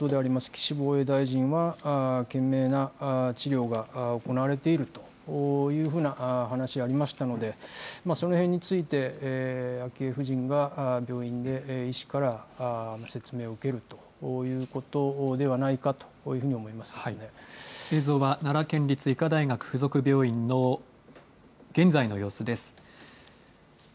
岸防衛大臣は、懸命な治療が行われているというふうな話がありましたので、そのへんについて、昭恵夫人が病院で医師から説明を受けるということではないかとい映像は、奈良県立医科大学附属病院の現在の様子です。